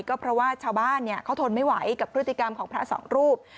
ก็เพราะว่าชาวบ้านเขาทนไม่ไหวกับพฤติกรรมของพระสองรูป